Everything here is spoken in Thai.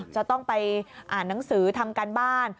จะต้องไปอ่านหนังสือทำการบ้าน